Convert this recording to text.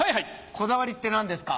こだわりって何ですか？